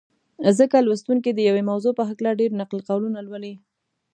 ځکه لوستونکي د یوې موضوع په هکله ډېر نقل قولونه لولي.